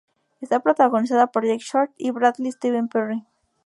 Está protagonizada por Jake Short y Bradley Steven Perry.